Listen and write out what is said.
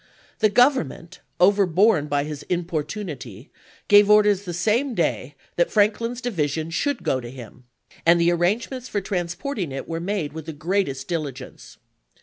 The Government, overborne by his importunity, gave orders the same day that Franklin's division should go to him, and the arrangements for transporting it were made with the greatest diligence.